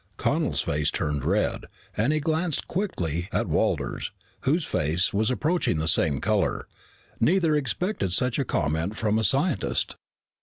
Connel's face turned red and he glanced quickly at Walters, whose face was approaching the same color. Neither expected such a comment from a scientist.